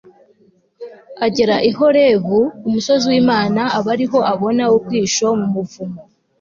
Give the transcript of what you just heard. agera i Horebu ku musozi wImana aba ari ho abona ubwihisho mu buvumo